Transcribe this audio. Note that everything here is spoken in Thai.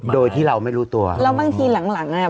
โดยที่เราไม่รู้ตัวแล้วบางทีหลังหลังอ่ะ